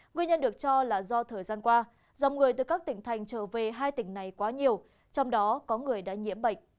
nguyên nhân được cho là do thời gian qua dòng người từ các tỉnh thành trở về hai tỉnh này quá nhiều trong đó có người đã nhiễm bệnh